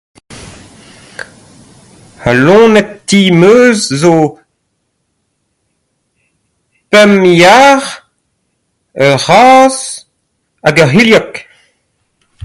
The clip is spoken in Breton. Al loened-ti 'm eus zo pemp yar, ur c'hazh hag ur c'hilhog.